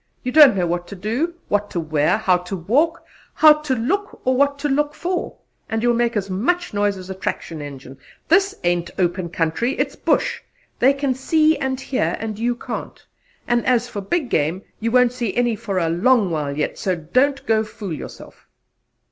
You don't know what to do, what to wear, how to walk, how to look, or what to look for; and you'll make as much noise as a traction engine. This ain't open country: it's bush; they can see and hear, and you can't. An' as for big game, you won't see any for a long while yet, so don't go fool yourself!"